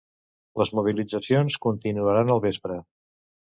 Les mobilitzacions continuaran el vespre.